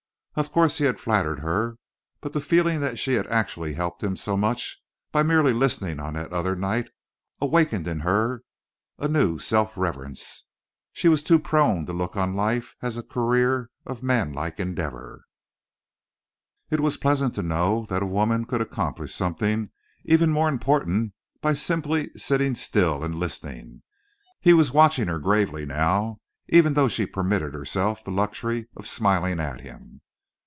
Of course he had flattered her, but the feeling that she had actually helped him so much by merely listening on that other night wakened in her a new self reverence. She was too prone to look on life as a career of manlike endeavor; it was pleasant to know that a woman could accomplish something even more important by simply sitting still and listening. He was watching her gravely now, even though she permitted herself the luxury of smiling at him.